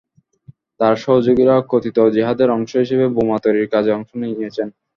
তাঁর সহযোগীরা কথিত জিহাদের অংশ হিসেবে বোমা তৈরির কাজে অংশ নিয়েছেন।